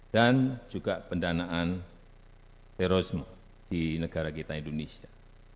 dan juga pendanaan terorisme di negara kita indonesia